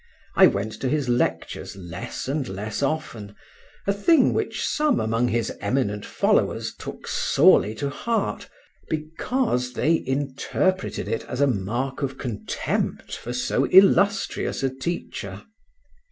I went to his lectures less and less often, a thing which some among his eminent followers took sorely to heart, because they interpreted it as a mark of contempt for so illustrious a teacher.